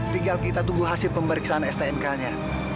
tinggal kita tunggu hasil pemeriksaan stnk nya